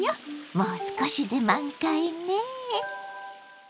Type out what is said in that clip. もう少しで満開ね！